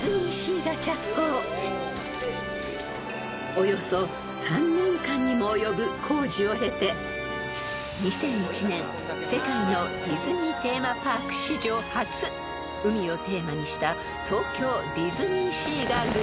［およそ３年間にも及ぶ工事を経て２００１年世界のディズニーテーマパーク史上初海をテーマにした］